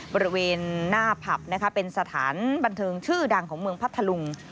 บริเวณหน้าผับนะคะเป็นสถานบันเทิงชื่อดังของเมืองพัทธลุง